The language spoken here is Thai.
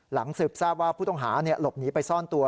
สืบทราบว่าผู้ต้องหาหลบหนีไปซ่อนตัว